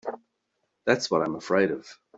That's what I'm afraid of.